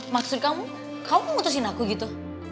maksud kamu kamu memutuskan aku gitu